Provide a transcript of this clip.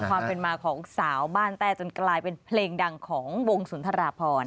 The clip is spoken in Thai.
ความเป็นมาของสาวบ้านแต้จนกลายเป็นเพลงดังของวงสุนทราพร